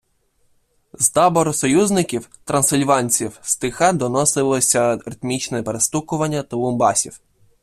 З табору союзників - трансильванців стиха доносилося ритмічне перестукування тулумбасів.